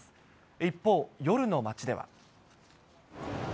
一方、夜の街では。